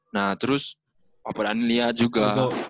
nah terus papa dhani liat juga